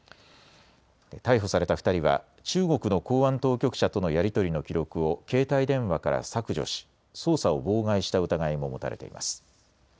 逮捕された２人は中国の公安当局者とのやり取りの記録を携帯電話から削除し捜査を妨害した疑いも持たれています。